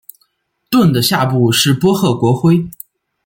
盾的下部是波赫国徽。